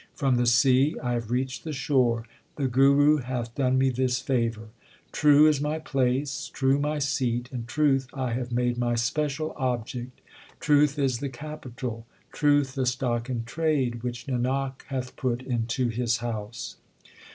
From the sea I have reached the shore ; the Guru hath done me this favour. True is my place, true my seat, and truth I have made my special object. Truth is the capital ; truth the stock in trade which Nanak hath put into his house.